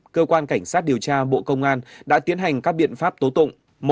cơ quan cảnh sát điều tra bộ công an đã tiến hành các biện pháp tố tụng